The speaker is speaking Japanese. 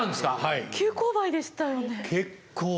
急勾配でしたよね。